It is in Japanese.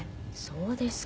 そうですか。